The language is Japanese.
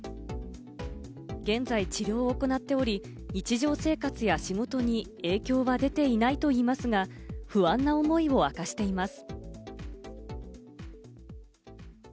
現在、治療を行っており、日常生活や仕事に影響は出ていないといいますが、不安な思いを明かしています。